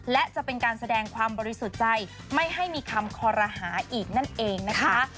และจะเป็นการแสดงความบริสุทธิ์ใจไม่ให้มีคำคอรหาอีกนั่นเองนะคะ